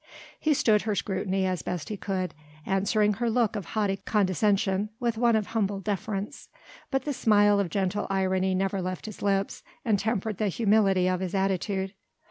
He stood her scrutiny as best he could, answering her look of haughty condescension with one of humble deference; but the smile of gentle irony never left his lips and tempered the humility of his attitude.